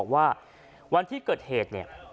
ว่าวันที่เกิดเหตุ